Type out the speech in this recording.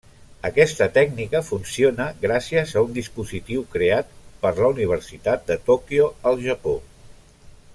Aquesta tècnica funciona gràcies a un dispositiu creat per la Universitat de Tòquio al Japó.